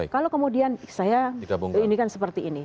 kalau kemudian saya ini kan seperti ini